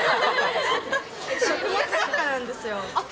食物学科なんですよ。